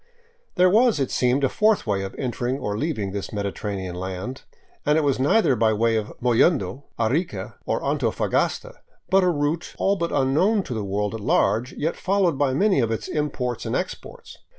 There was, it seemed, a fourth way of entering or leaving this mediterranean land, and it was neither by way of Mollendo, Arica, nor Antofagasta ; but a route all but unknown to the world at large, yet followed by many of its imports and exports.